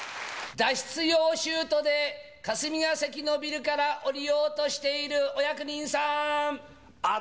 脱出用シュートで、霞が関のビルから降りようとしているお役人さーん！